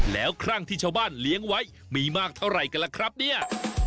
แล้วคลั่งที่ชาวบ้านเลี้ยงไว้มีมากเท่าไหร่กันล่ะครับเนี่ย